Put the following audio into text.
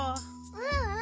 ううん。